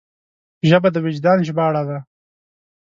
ژبه د وجدان ژباړه ده